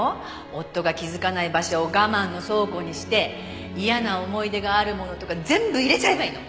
「夫が気づかない場所を我慢の倉庫にして嫌な思い出があるものとか全部入れちゃえばいいの」